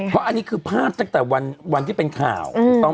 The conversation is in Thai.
เพราะอันนี้คือภาพจากแต่วันที่เป็นข่าว